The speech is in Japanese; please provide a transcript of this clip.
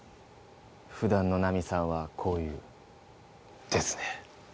普段のナミさんはこういう？ですね。